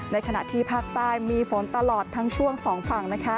ในขณะที่ภาคใต้มีฝนตลอดทั้งช่วงสองฝั่งนะคะ